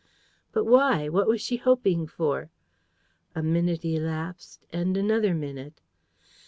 But why? What was she hoping for? A minute elapsed; and another minute.